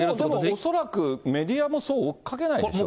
恐らくメディアも追っかけないでしょう。